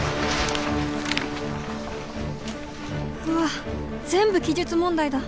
うわっ全部記述問題だ